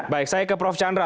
baik saya ke prof chandra